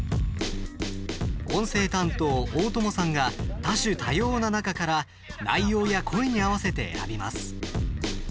音声担当、大友さんが多種多様な中から内容や声に合わせて選びます。